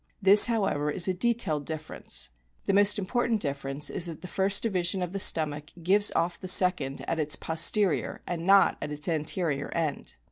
This, however, is a detailed difference. The most important difference is that the first division of the stomach gives off the second at its posterior and not at its anterior end.